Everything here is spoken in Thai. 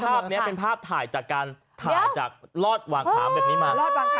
คือไอ้ภาพนั้นเป็นภาพถ่ายจากการตกลอดวางขาเหมือนนี้มา